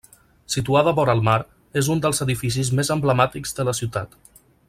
Situada vora el mar, és un dels edificis més emblemàtics de la ciutat.